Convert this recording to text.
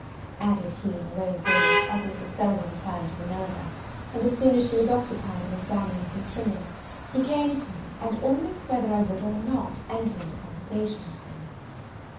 added he, in a low voice, as Mrs. Selwyn turned to the milliner: and as soon as she was occupied in examining some trimmings, he came to me, and almost whether I would or not, entered into conversation with me.